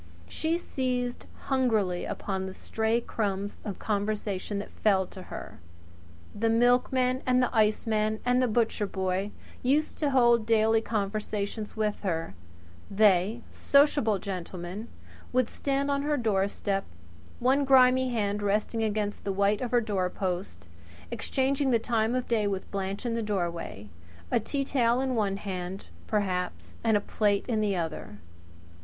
She seized hungrily upon the stray crumbs of conversation that fell to her. The milkman and the iceman and the butcher boy used to hold daily conversation with her. They sociable gentlemen would stand on her doorstep, one grimy hand resting against the white of her doorpost, exchanging the time of day with Blanche in the doorway a tea towel in one hand, perhaps, and a plate in the other.